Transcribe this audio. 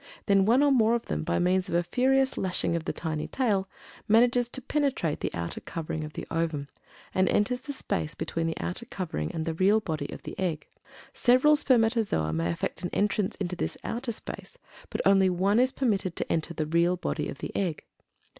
Then one or more of them, by means of a furious lashing of the tiny tail, manages to penetrate the outer covering of the ovum, and enters the space between the outer covering and the real body of the egg. Several spermatozoa may effect an entrance into this outer space, BUT ONLY ONE IS PERMITTED TO ENTER THE REAL BODY OF THE EGG.